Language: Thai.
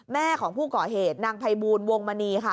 แม่ของผู้ก่อเหตุนางภัยบูลวงมณีค่ะ